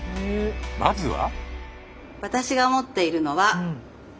まずは。